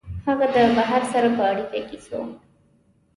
هغه د بهر سره په اړیکه کي سو